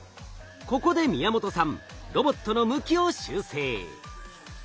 ここで宮本さんロボットの向きを修正。